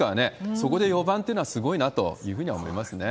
そこで４番というのはすごいなというふうには思いますね。